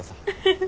フフ。